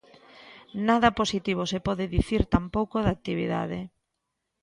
Nada positivo se pode dicir tampouco da actividade.